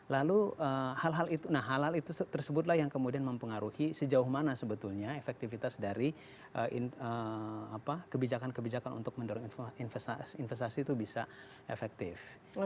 lalu hal hal itu nah hal hal itu tersebutlah yang kemudian mempengaruhi sejauh mana sebetulnya efektivitas dari kebijakan kebijakan untuk mendorong investasi itu bisa efektif